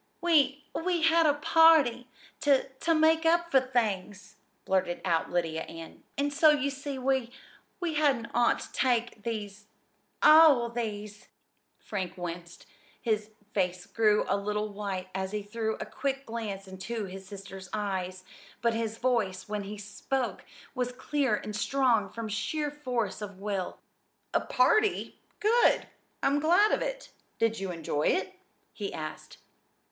"We we had a party to to make up for things," blurted out Lydia Ann. "And so ye see we we hadn't ought ter take these all these!" Frank winced. His face grew a little white as he threw a quick glance into his sister's eyes; but his voice, when he spoke, was clear and strong from sheer force of will. "A party? Good! I'm glad of it. Did you enjoy it?" he asked.